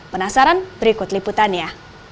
penasaran berikut liputannya